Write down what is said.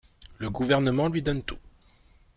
Le gouvernement lui donne tout.